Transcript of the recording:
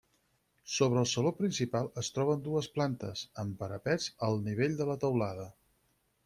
Sobre el saló principal es troben dues plantes, amb parapets al nivell de la teulada.